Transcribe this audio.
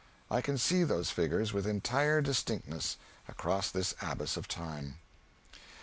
I can see those figures with entire distinctness across this abyss of time.